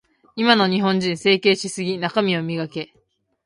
今の日本人、整形しすぎ。中身を磨け。